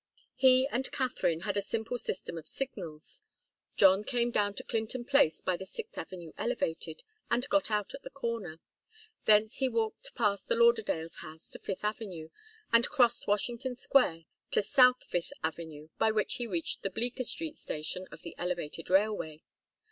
He and Katharine had a simple system of signals. John came down to Clinton Place by the Sixth Avenue elevated, and got out at the corner. Thence he walked past the Lauderdales' house to Fifth Avenue, and crossed Washington Square to South Fifth Avenue, by which he reached the Bleecker Street Station of the elevated railway.